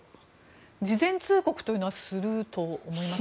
事前通告というのはすると思いますか？